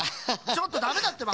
ちょっとダメだってば。